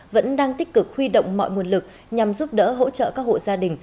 vẫn đang tích cực huy động mọi nguồn lực nhằm giúp đỡ hỗ trợ các hộ gia đình